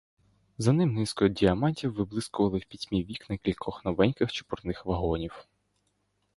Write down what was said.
За ним низкою діамантів виблискували в пітьмі вікна кількох новеньких, чепурних вагонів.